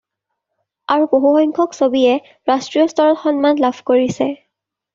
আৰু বহুসংখ্যক ছবিয়ে ৰাষ্ট্ৰীয়স্তৰত সন্মান লাভ কৰিছে।